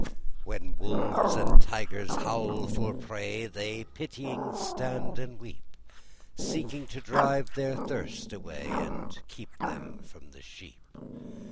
When wolves and tigers howl for prey, They pitying stand and weep; Seeking to drive their thirst away, And keep them from the sheep.